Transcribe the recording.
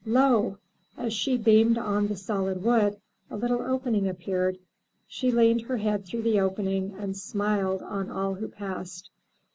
Lo! as she beamed on the solid wood, a little opening appeared; she leaned her head through the opening and smiled on all who passed.